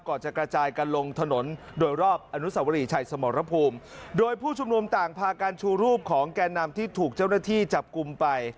จะกระจายกันลงถนนโดยรอบอนุสวรีชัยสมรภูมิโดยผู้ชุมนุมต่างพาการชูรูปของแก่นำที่ถูกเจ้าหน้าที่จับกลุ่มไป